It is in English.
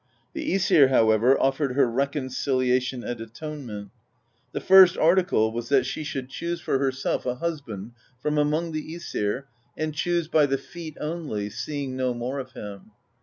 The iEsir, however, offered her recon ciliation and atonement: the first article was that she should 92 PROSE EDDA choose for herself a husband from among the ^sir and choose by the feet only, seeing no more of him.